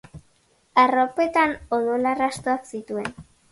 Arropetan odol arrastoak zituen.